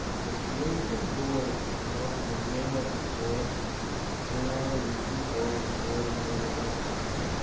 Confused and bewildered, the officer gave up his sword, and ordered the Sepoys to lay down their arms.